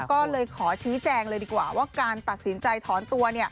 ก็เลยขอชี้แจงเลยดีกว่าว่าการตัดสินใจถอนตัว